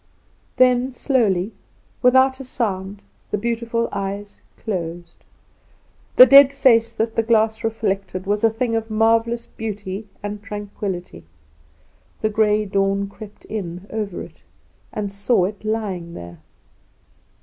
Then slowly, without a sound, the beautiful eyes closed. The dead face that the glass reflected was a thing of marvelous beauty and tranquillity. The Grey Dawn crept in over it and saw it lying there.